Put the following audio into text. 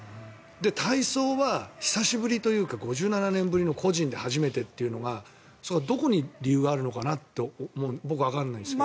体操は久しぶりというか５７年ぶりの個人で初めてというのがどこに理由があるのかなって僕、わからないんですけど。